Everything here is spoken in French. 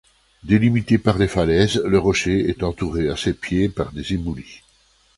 Délimité par des falaises, le rocher est entouré à ses pieds par des éboulis.